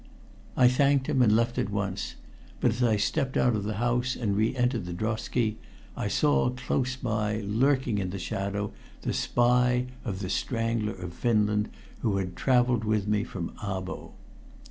I thanked him and left at once, but as I stepped out of the house and re entered the drosky I saw close by, lurking in the shadow, the spy of "The Strangler of Finland," who had traveled with me from Abo.